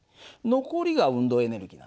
残りが運動エネルギーなんだね。